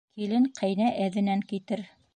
Килен ҡәйнә әҙенән китер.